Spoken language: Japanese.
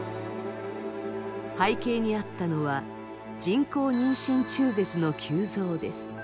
背景にあったのは人工妊娠中絶の急増です。